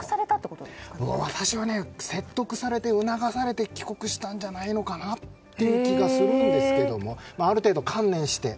私は説得されて促されて帰国したんじゃないのかなという気がするんですけどある程度、観念して。